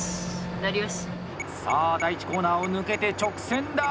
さあ、第１コーナーを抜けて直線だ！